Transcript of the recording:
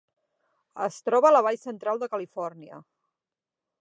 Es troba a la vall Central de Califòrnia.